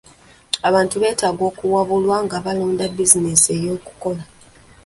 Abantu beetaaga okuwabulwa nga balonda bizinensi ey'okukola.